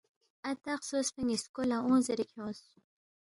اتا خسوسفا نِ٘یسکو لہ اونگ زیرے کھیونگس